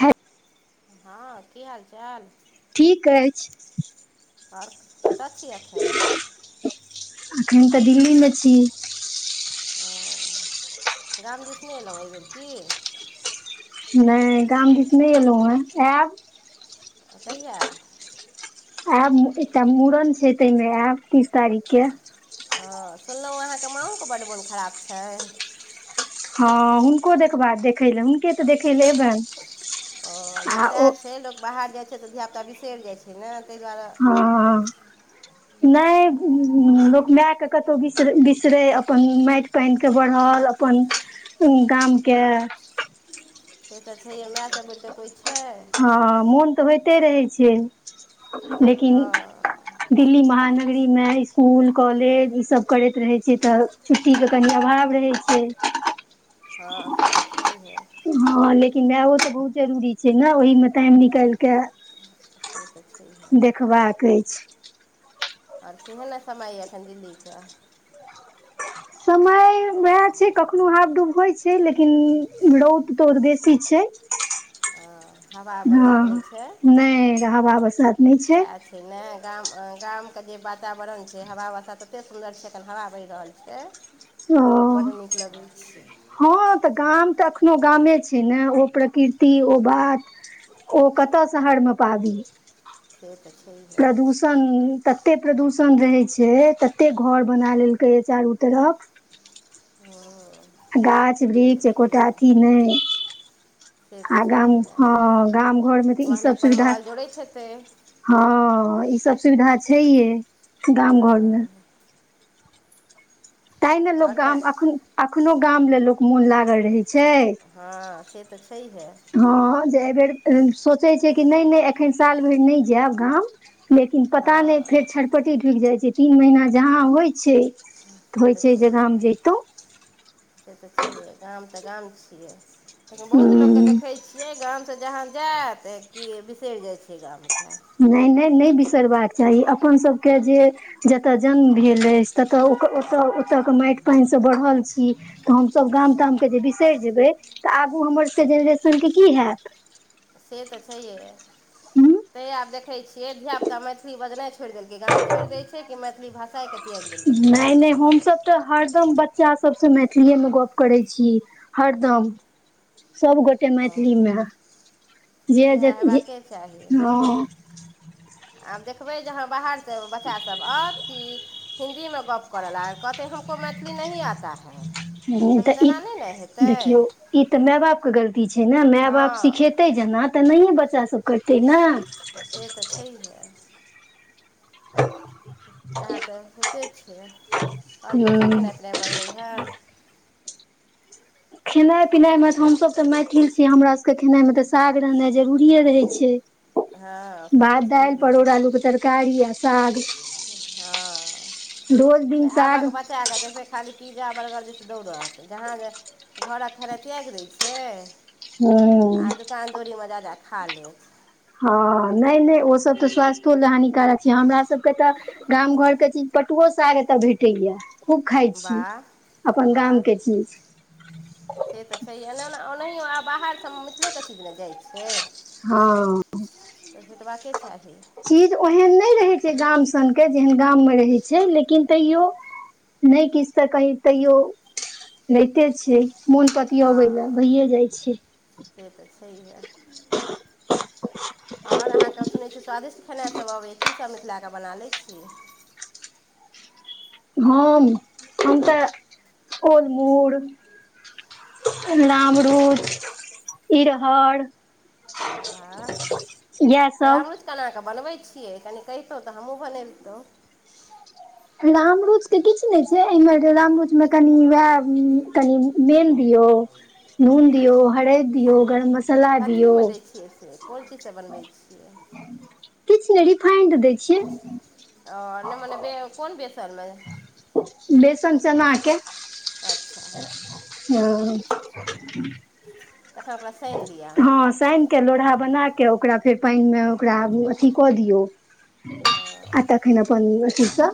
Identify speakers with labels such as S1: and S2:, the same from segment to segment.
S1: ह [inaudible]
S2: हँ की हाल चाल
S1: ठीक अछि
S2: आओर कतय छियै एखन
S1: एखन तऽ दिल्लीमे छी
S2: ओ गाम दिस नै अयलहुँ एहि बेेर की
S1: नहि गाम दिस नहि अयलहुँ हेँ आयब
S2: कहिया
S1: आयब एकटा मूड़न छै ताहिमे आएब तीस तारीखके
S2: ओ सुनलहुँ अहाँके माँओ के बड्ड मन खराब छै
S1: हँ हुनको देखबा देखै लए हुनके तऽ देखै लए एयबनि
S2: ओ नहि सएह छै लोक बाहर जाइत छै तऽ धियापुता बिसरि जाइ छै ने ताहि दुआरे
S1: हँ नहि लोक मायके कतहु बिसरै बिसरै अपन माटि पानिके बढ़ल गाम
S2: से तऽ छैहे माय सब उर कऽ कोइ [unintelligible]
S1: हँ मोन तऽ होइते रहै छै लेकिन
S2: हँ
S1: दिल्ली महानगर लीमे इसकुल कॉलेज ईसभ करैत रहै छिये तऽ छुट्टीके कनि अभाव रहै छै
S2: हँ से तऽ छैहे
S1: हँ लेकिन मेयो तऽ बहुत जरूरी छै ने ओहिमे टाइम निकालिकऽ
S2: से तऽ छैहे
S1: देखबाक अछि
S2: आओर केहल समय ये एखन दिल्ली के [unintelligible]
S1: समय उएह छै कखनो हाफ डूब होइत छै लेकिन रौद तौद बेसी छै
S2: हवा
S1: हँ
S2: बसात नहि छै
S1: नहि रहवा बसात नहि छै
S2: सएह ने गाम गामके जे वातावरण छै हवा वसात ततेक सुन्दर छै एखन हवा बहि रहल छै
S1: ओ
S2: बड नीक लगै छै
S1: हँ तऽ गाम तऽ कोनो गामे छै ने ओ प्रकृति ओ बात ओ कतय शहर मे पाबी
S2: से त
S1: प्रदूषण तते प्रदूषण न रहै छै तते घर बना लेलकै ये चारू तरफ
S2: हूँ
S1: गाछ वृक्ष एकोटा अथी नहि
S2: से तऽ
S1: आ गाम
S2: छैहे
S1: हँ गाम घरमे तऽ
S2: महले
S1: इसभ
S2: पर
S1: सुविधा
S2: महल जोड़ैत हेतै
S1: हँ ईसभ सुविधा छैहे गाम घरमे ताहि ने लोक
S2: आओर कए
S1: गाम एखन एखनो गाम ले लोक मोन लागल रहै छै
S2: हँ से तऽ छैहे
S1: हँ जे एहिबेर सोचैत छै कि नहि नहि एखन साल भरि नहि जायब गाम लेकिन पता नहि
S2: हँ
S1: फेर छटपटी ढुकि जाइ छै तीन महीना जहाँ होइ छै
S2: से
S1: होइ
S2: तऽ
S1: छै
S2: छैे
S1: जे गाम
S2: हे
S1: जैतौं
S2: से तऽ छै हे गाम तऽ गाम छिये तखन बहुत लोक के
S1: हूँ
S2: देखे छियै गाम जहाँ जायब क बिसरि जाइ छिये गाम के
S1: नहि नहि नहि बिसरबाक चाही अपन सबके जे जतऽ जन्म भेल अछि ततऽ ओऽ ओतऽ ओतऽ के माटि पानिसँ बढ़ल छी तऽ हमसभ गाम तामके जे बिसरि जेबै तऽ आगू हमर सबके जेनरेशन के की होत
S2: से तऽ छैहे है तै आ देख छियै धिया पुता मैथिली बजनाइ छोड़ि देलकै गाम छोड़ि दे छै कि मैथिली भाषा के
S1: नहि नहि हम सब तऽ हरदम बच्चा सभ सँ मैथिलीएमे गप करै छी हरदम सबगोटे
S2: ओ
S1: मैथिली मे जे
S2: सएह
S1: जे जे
S2: हेबाके चाही
S1: हँ
S2: आब देखबै जे अहाँ बाहर सँ बच्चासभ आओत कि हिन्दी मे गप्प करऽ लाग कहते हमको मैथिली नहिं आता है
S1: ह
S2: तखन
S1: तऽ ई
S2: तेना नहि ने हेतै
S1: देखियौ ई तऽ माय बाप के गलती छै ने माय बाप
S2: हँ
S1: सिखेते जेना तऽ नहिे ब बच्चा सब करतै ने
S2: से तऽ छैहे तएह तऽ होेइते छियै आओर की सभ
S1: हूँ
S2: खेनाइ पिनाइ बनलै हे
S1: खेनाइ पिनाइमेऽ हमसभ तऽ मैथिल छी हमरा सभके खेनाइमे तऽ साग रहनाइ जरूरिए रहै छै
S2: हँ से तऽ
S1: भात दालि
S2: छैहै
S1: परोड़ आलू के तरकारी आ साग
S2: हँ
S1: रोज दिन
S2: नहि आब
S1: साग
S2: बच्चा के देखबै खाली पिज्जा बर्गर जे छै दौड़त जहाँ जे घरक खेनाइ त्याग दै छै
S1: हँ
S2: खालेत
S1: हँ नहि नहि ओ सब तऽ स्वास्थो ल हानिकारक छै हमरा सब के ते गाम घर के चीज पटु पटुओ साग एतअ भेटैया खूब खाइ छी
S2: वाह
S1: अपन गाम
S2: वाह
S1: के चीज
S2: से तऽ छै ए ने ओनाहियो आब बाहर सँ मिथिलले के चीज नहि जाइत छी
S1: हँ
S2: तऽ भेटबाके चाही
S1: चीज ओहन नहि रहै छै गाम सनके जेहन गाम मे रहै छै लेकिन तैयौ नहि किछु तऽ कही तैयो रहिते छियै
S2: हँ से तऽ छैहे आओर अहाँके सुनै छीयै स्वादिष्ट खेनाइसभ अबैए कीसभ मिथिलाके बना लैत छी [inaudible]
S1: ह हम तऽ ओलमूड़ अमरुद इरहर
S2: बाह
S1: इएह
S2: तऽ
S1: सब
S2: हमरू करना क बनबै छी छियै कनि कहितौ तऽ हमहूँ बनिबतियै
S1: रामरुच के किछु नहि छै एर रामरुच मे कनि वएह कनि मेल दिय नून दियौ हरद दियऔ गरम मसा
S2: कथी मे दै छियै से कोन चीज सँ बनबै छियै
S1: किछु नहि रिफाइंड दै छियै
S2: ओ नहि मने कोन बेसन
S1: बेसन चना के
S2: अच्छा
S1: हँ
S2: तखन ओकरा सानि लिअ आ
S1: हँ साइन के लोडहा बनाके के ओकरा फेर पानि मे ओकरा अथी कऽ दियौ आ तखैन अथी स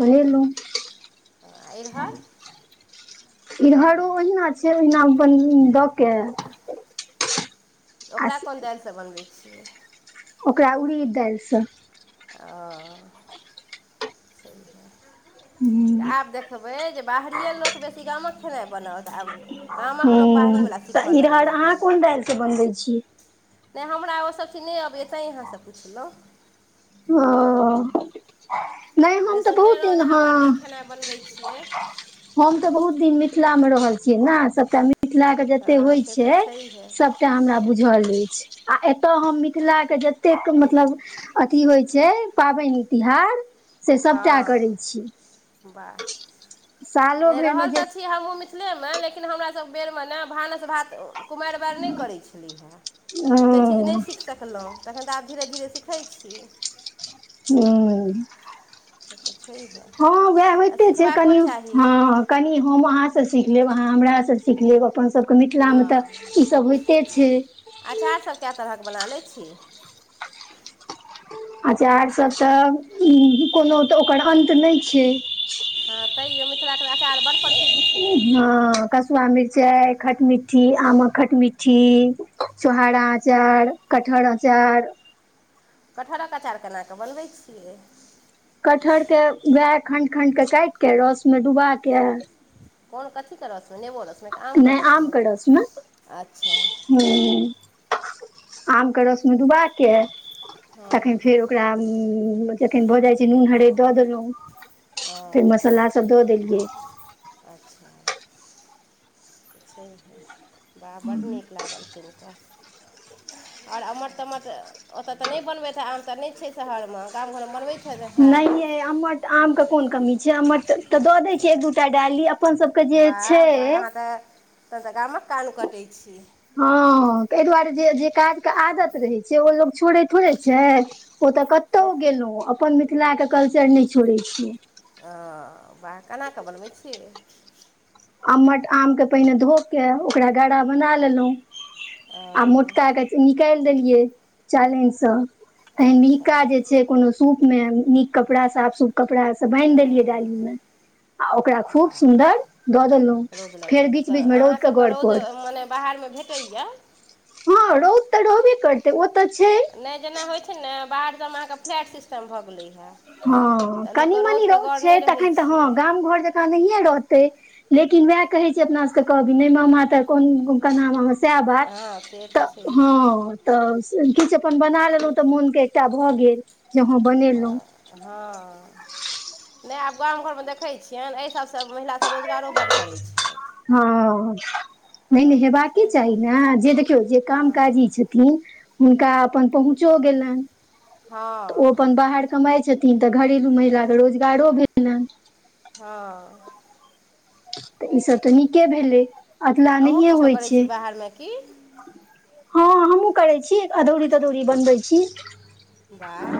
S1: बनलहु
S2: एर हर
S1: इरहरो ओहिना छै ओहिना अपन दऽ कऽ
S2: ओकरा कोन दालि सँ बनबै छियै
S1: ओकरा उड़ीद दालि सँ
S2: ओ छैहे तऽ आब देखबै जे बाहरिए लोक बेसी गामक खेनाइ बनत आब गामक लोक
S1: ह्म
S2: बाहरीवला
S1: तऽ
S2: सीखय
S1: इरहर
S2: लगलै
S1: अहाँ
S2: हेँ
S1: कोन दालि स बनबै छियै
S2: इ सब नैय आबैया तैय अहां सं पूछलौ
S1: ओ [inaudible]
S2: नहि
S1: तऽ
S2: सुनने
S1: बहुत
S2: रहौँ
S1: दिन
S2: जे अहाँ
S1: हँ
S2: बड् नीक खेनाइ बनबैत छियै
S1: हम तऽ बहुत दिन मिथिला मे रहल छियै ने सभटा मिथिला के जते
S2: हँ
S1: होइ
S2: से तऽ
S1: छै
S2: छैहे
S1: सभटा हमरा बुझल अछि आ एतऽ हम मिथिला के जतेक मतलब अथी होइ छै पाबनि तिहार से सभटा
S2: हँ
S1: करै छी
S2: वाह
S1: सालो
S2: नहि
S1: भरिमे
S2: रहल
S1: जे
S2: तऽ छी हमूँ मिथिल मिथिले मे लेकिन हमरा सब बेरमे ने भानस भात कुमारि बारि नहि करै छलै हेँ ओते चीज नहि
S1: हूँ
S2: सीख सकलहुँ तखन तऽ आब धीरे धीर सिख देखै छी
S1: हू
S2: [inaudible]
S1: हँ वएह
S2: आ
S1: होइते छै
S2: सिखबाको
S1: कनि
S2: चाही
S1: हँ कनि हम अहाँ से सीख लेब आहा हमरा सँ सीख लेब अपन मिथिला मे तऽ
S2: हँ
S1: ई सब होइते छै
S2: अछि
S1: अचारसभ तऽ कोनो तऽ ओकर अन्त नहि छै
S2: [inaudible] तैयो मिथिलाके तऽ अँचार बड़ प्रसिद्ध छै
S1: हँ कसुआ मिरचाइ खटमि्ठी आमक खटमिट्ठी छोहारा अचार कठहर अचार
S2: कटहरक अचार केना कऽ बनबै छियै
S1: कटहर के वएह खण्ड खण्ड के काटि के रस में डुबा के
S2: कोन कथि के रस नेबो रस मे की आम के
S1: नहि
S2: रस मे
S1: आमके रसमे
S2: अच्छा
S1: ह आमके रसमे डुबा कऽ
S2: हँ
S1: तखन फेर ओकरा जखन भऽ जाइ छै नून हरदि दऽ देलहुँ
S2: ओ
S1: फेर मसाला सब दऽ देलियै
S2: अच्छा छै वा बड्ड नीक लागल सूनि कऽ आओर आमठ तमठ ओतय तऽ नहि बनबैत रह आम तऽ नहि छै शहरमे गाम घरमे बनबैत छी
S1: नहि अमट आमके कोन कमी छै अमट तऽ दऽ दैत छियै एक दू टा डाली अपन सबके जे
S2: वाह
S1: छै
S2: वाह अहाँ तऽ त तऽ गामक कान कटै छी
S1: हँ एहि दुआरे जे जे काजके आदत रहैत छै ओ लोक छोड़ै थोड़ै छै ओ तऽ
S2: से
S1: कतहु गेलहुँ अपन मिथिलाके कल्चर नहि छोड़ैत छियै
S2: ओ वाह केना कऽ बनबै छियै
S1: आमट आम के पहिने धोक के ओकरा गड़ा बना लेलहुँ आ
S2: ओ
S1: मोटका के निकालि देलियै चालनि सँ तहिन
S2: अच्छा
S1: मिहिका जे छै कोनो सूप मे नीक कपड़ा साफ सूप कपड़ा सँ बान्हि देलियै डाली मे
S2: हँ
S1: आ ओकरा खूब सुन्दर दऽ देलहुँ
S2: रोद
S1: फेर
S2: लगेलहु
S1: बीच
S2: तऽ
S1: बीच मे रौद के
S2: अहाँसभकेँ
S1: घर
S2: रोद
S1: पर
S2: मने बाहर मे भेटैए
S1: हँ रौद तऽ रहबे करतै ओ तऽ छै
S2: नहि जेना होइत छै ने बाहर सभमे अहाँके फ्लैट सिस्टम भऽ गेलै हेँ
S1: हँ
S2: तऽ
S1: कनि
S2: लोकके
S1: मनी
S2: रौदके
S1: रौद
S2: गौर
S1: छै
S2: नहि रहैत
S1: तखन तऽ हँ
S2: छै
S1: गाम घर जकाँ नहिए रहतै लेकिन वएह कहे छै अपना सबके कहबी नहि मामा त कन्हा मामा सैह बात
S2: हँ से
S1: तऽ ह
S2: छैहे
S1: तऽ किछु अपन बना लेलहुँ तऽ मोनके एकटा भऽ गेल जे हँ बनेलहुँ
S2: हँ नहि आब गाम घर मे देखैत छियनि एहि सभसँ महिला रोजगारो बड़ करैत छथि
S1: हँ नहि नहि हेबाके चाही ने जे देखियौ जे काम काजी
S2: हँ
S1: छथिन हुनका अपन पहुँचो गेलनि तऽ ओ
S2: हँ
S1: अपन बाहर कमाइ छथिन तीन तऽ घरेलू महिलाक केँ रोजगारो भेटलनि
S2: हँ
S1: तऽ ईसभ तऽ नीके भेलै अदला
S2: अहूँ
S1: नहिए
S2: किछो
S1: होइ
S2: करै
S1: छै
S2: छी बाहरमे कि
S1: हँ हमहुँ करै छी अदौरी तदौरी बनबै छी
S2: बाह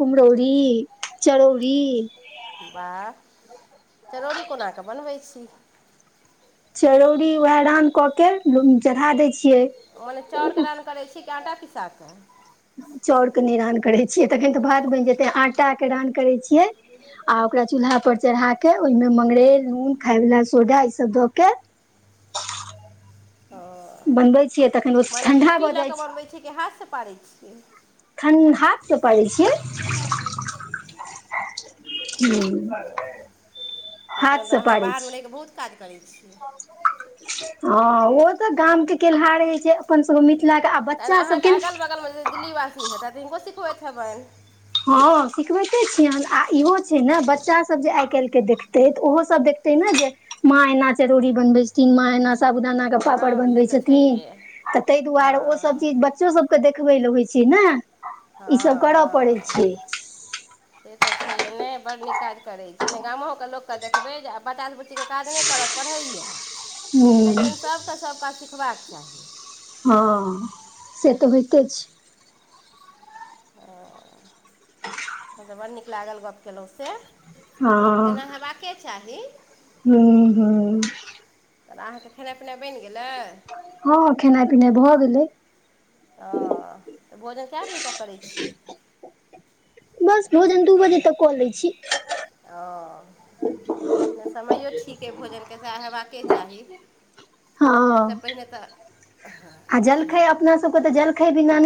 S1: कुमरौरी चरौड़ी
S2: वाह चरौड़ी कोना कऽ बनबै छी
S1: चरौड़ी उहै रान कऽ के चढ़ा दै छियै
S2: मने चाउरके रान करैत छी कि आटा पिसा कऽ
S1: चाउरके नहि रान करैत छियै तखन तऽ भात बनि जेतै आटाके रान करैत छियै आ ओकरा चूल्हापर चढ़ा कऽ ओहिमे मंगरैल नून खायवला सोडा ईसभ दऽ के
S2: [inaudible] ओ
S1: बनबै छियै तखन ओ
S2: मने
S1: ठंडा
S2: खुपी
S1: भऽ
S2: लऽ
S1: जाइ
S2: कऽ बनबै छै कि हाथसँ पारै छियै
S1: ह्म [inaudible]
S2: नहि तखन तऽ अहाँ बाहरमे रहि कऽ बहुत काज करै छियै
S1: हँ ओ तऽ गाम के केलहा रहे छै अपन सबके मिथिला के आ
S2: तऽ
S1: बच्चा
S2: अहाँके
S1: सबके
S2: अगल बगलमे जे दिल्लीवासी हेत तऽ हिनको सिखबैत हेबनि
S1: हँ सिखबैते छियनि आ इहो छै ने बच्चासभ जे आइ काल्हिके देखतै तऽ ओहोसभ देख जे माँ एना चरौड़ी बनबै छथिन माँ एना साबुदाना के पापड़
S2: हँ से
S1: बनबै
S2: तऽ
S1: छथिन
S2: छैहे
S1: त ताहि दुआरे ओ
S2: हँ
S1: सब चीज बच्चो सब के देखबे ले होय छै छी ने ईसभ
S2: हँ
S1: करय पड़ै
S2: हॅं
S1: छै
S2: से तऽ छैहे ने बड़ नीक काज करै नहि गामोके लोककेँ देखबै जे आब बचा बुच्चीके काज नहि करत पढ़ैये
S1: हूँ
S2: लेकिन सभके सभ काज सिखबाक चाही
S1: हँ से तऽ होइते छै
S2: ओ तऽ बड़ नीक लागल गप्प केलहुँ से एना हयबाके चाही
S1: ह्म हूँ
S2: तहन अहाँके खेनाइ पिनाइ बनि गेल
S1: हँ खेनाइ पिनाइ भऽ गेलै
S2: ओ तऽ भोजन कए बजे तक करै छी
S1: बस भोजन दू बजे तक कऽ लै छी
S2: ओ नहि समयो ठीक अइ भोजनके सएह हेबाके चाही
S1: हँ
S2: ओहिसँ पहिने तऽ
S1: आ जलखय अपना सबके तऽ जलखय बिना